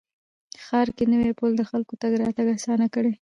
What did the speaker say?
ښار کې نوی پل د خلکو تګ راتګ اسانه کړ